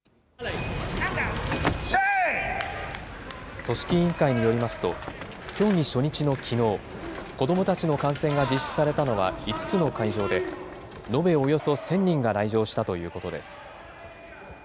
組織委員会によりますと、競技初日のきのう、子どもたちの観戦が実施されたのは、５つの会場で、延べおよそ１０００人が来場したということです。